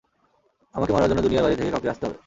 আমাকে মারার জন্য দুনিয়ার বাইরে থেকে কাউকে আসতে হবে!